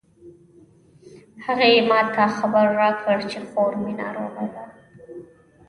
هغې ما ته خبر راکړ چې خور می ناروغه ده